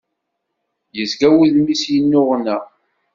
Yezga wudem-is yennuɣna.